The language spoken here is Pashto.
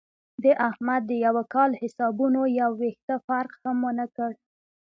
د احمد د یوه کال حسابونو یو وېښته فرق هم ونه کړ.